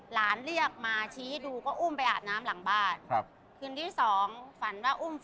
หลานเรียกมาชี้ให้ดูก็อุ้มไปอาดน้ำหลังบ้าน